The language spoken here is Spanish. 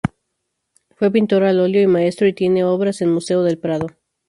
Fue pintor al óleo y maestro y tiene obras en Museo del Prado.